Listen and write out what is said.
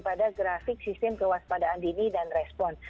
pada grafik sistem kewaspadaan dini dan respon